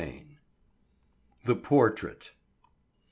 VI. THE PORTRAIT.